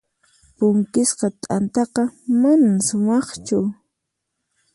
Punkisqa t'antaqa manan sumaqchu.